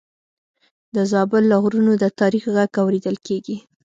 د زابل له غرونو د تاریخ غږ اورېدل کېږي.